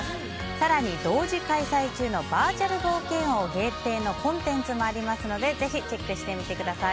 更に、同時開催中のバーチャル冒険王限定のコンテンツもありますのでぜひチェックしてみてください。